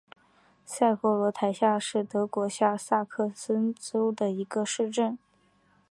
塞费塔尔是德国下萨克森州的一个市镇。